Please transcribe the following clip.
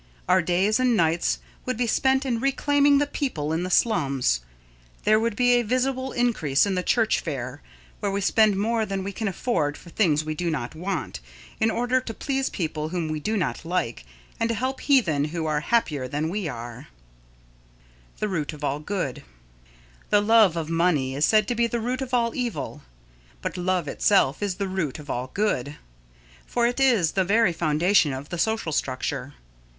Our days and nights would be spent in reclaiming the people in the slums. There would be a visible increase in the church fair where we spend more than we can afford for things we do not want, in order to please people whom we do not like, and to help heathen who are happier than we are. [Sidenote: The Root of all Good] The love of money is said to be the root of all evil, but love itself is the root of all good, for it is the very foundation of the social structure.